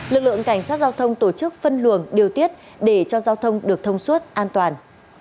lực lượng cảnh sát giao thông tổ chức phân luồng điều tiết để cho giao thông được thông suốt an toàn